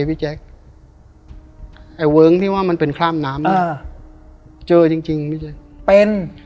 พี่แจ๊คไอ้เวิ้งที่ว่ามันเป็นครามน้ำเนี่ยเจอจริงจริงพี่แจ๊คเป็น